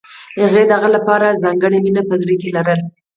هغې د هغه لپاره ځانګړې مینه په زړه کې لرله